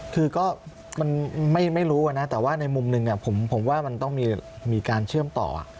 คือก็มันไม่รู้นะแต่ว่าในมุมหนึ่งผมว่ามันต้องมีการเชื่อมต่อ